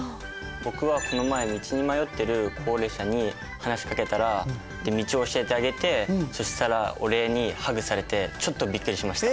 僕はこの前道に迷ってる高齢者に話しかけたらで道を教えてあげてそしたらお礼にハグされてちょっとびっくりしました。